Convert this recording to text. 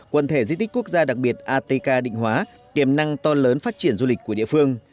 quần thể di tích quốc gia đặc biệt atk định hóa tiềm năng to lớn phát triển du lịch của địa phương